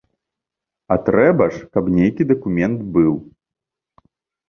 А трэба ж, каб нейкі дакумент быў.